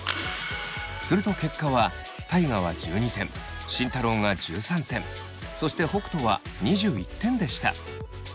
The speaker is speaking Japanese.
すると結果は大我は１２点慎太郎が１３点そして北斗は２１点でした。